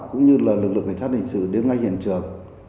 cũng như là lực lượng cảnh sát hình sự đến ngay hiện trường